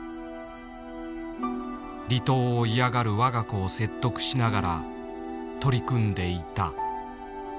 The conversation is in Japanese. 離島を嫌がる我が子を説得しながら取り組んでいた。